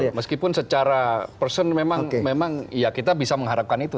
iya betul meskipun secara persen memang ya kita bisa mengharapkan itu